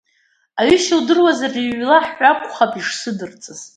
Аҩышьа удыруазар, иҩла ҳәа акәхап ишсыдиҵаз.